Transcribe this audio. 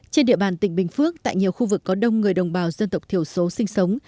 trên địa bàn tỉnh bình phước tại nhiều khu vực có đông người đồng bào dân tộc thiểu số sinh sống